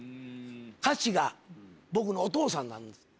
歌詞が僕のお父さんなんです。